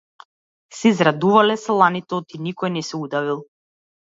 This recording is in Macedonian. Се израдувале селаните оти никој не се удавил.